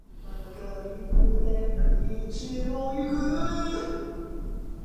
わけが分からないよ